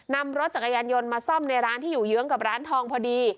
นำรถจักรยานยนต์มาซ่อมในร้านที่อยู่เยื้องกับร้านทองพอดี